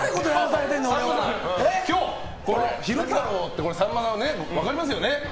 今日昼太郎ってさんまさん、分かりますよね。